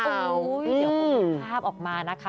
เดี๋ยวคงมีภาพออกมานะคะ